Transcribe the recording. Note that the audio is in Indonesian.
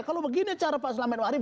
kalau begini cara pak selam ben ma'arif